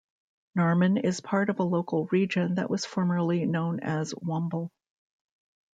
Norman is part of a local region that was formerly known as Womble.